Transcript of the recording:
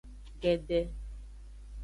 Gbede.